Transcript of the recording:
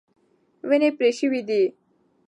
ونې پرې شوې دي.